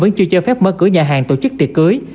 vẫn chưa cho phép mở cửa nhà hàng tổ chức tiệc cưới